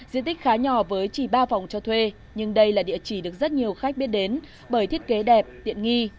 diện tích khá nhỏ với chỉ ba phòng cho thuê nhưng đây là địa chỉ được rất nhiều khách biết đến bởi thiết kế đẹp tiện nghi